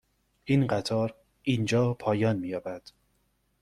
این قطار اینجا پایان می یابد.